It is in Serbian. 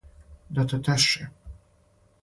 Да те тешим.